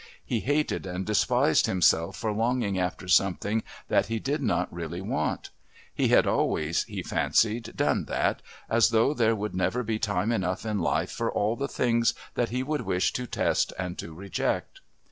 He hated and despised himself for longing after something that he did not really want. He had always, he fancied, done that, as though there would never be time enough in life for all the things that he would wish to test and to reject.